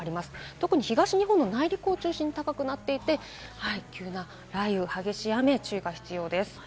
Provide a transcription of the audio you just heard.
特に東日本の内陸を中心に高くなっていて急な雷雨、激しい雨に注意が必要です。